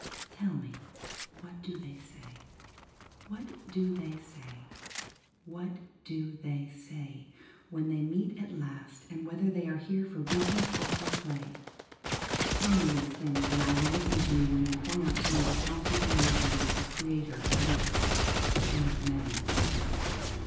Tell me what do they say, what do they say, what do they say, when they meet at last, and whether they are here for business or for play. Tell me these things, and then I will listen to you when you point out to me the counsels and the workings of the Creator of rooks and of men.